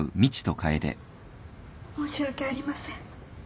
申し訳ありません。